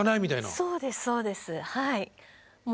そうですそうですはい。